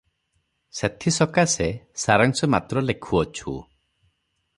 ସେଥିସକାଶେ ସାରାଂଶ ମାତ୍ର ଲେଖୁଅଛୁ